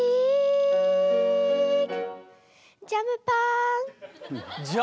ジャムパン！